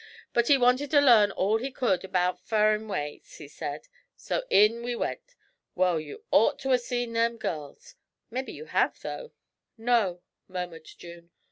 But he wanted to learn all he could about furrin ways, he said, so in we went. Well, you ort to 'a' seen them girls. Mebbe ye have, though?' 'No,' murmured June.